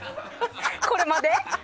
これまで？